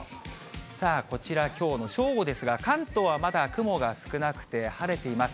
さあこちら、きょうの正午ですが、関東はまだ雲が少なくて晴れています。